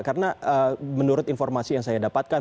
karena menurut informasi yang saya dapatkan